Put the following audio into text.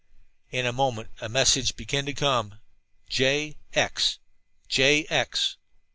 In a moment a message began to come: "J X. J X.